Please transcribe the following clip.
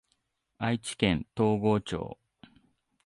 愛知県東郷町